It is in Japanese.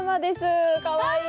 あかわいい。